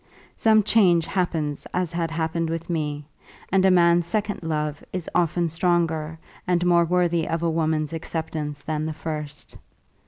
Some change happens as had happened with me, and a man's second love is often stronger and more worthy of a woman's acceptance than the first.